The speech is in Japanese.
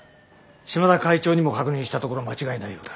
島田会長にも確認したところ間違いないようだ。